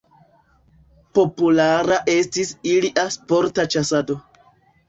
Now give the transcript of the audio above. Populara estis ilia sporta ĉasado.